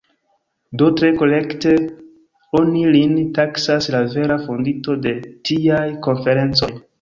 Do tre korekte oni lin taksas la vera fondinto de tiaj konferencoj.